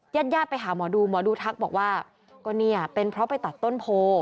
ญาติญาติไปหาหมอดูหมอดูทักบอกว่าก็เนี่ยเป็นเพราะไปตัดต้นโพ